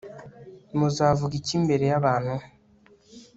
muzavuga iki imbere y'abantu